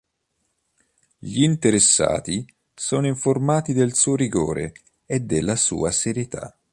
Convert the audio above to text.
Gli interessati sono informati del suo rigore e della sua serietà.